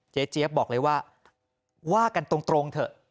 เจเจี๊ยบบอกเลยว่าว่ากันตรงเถอะ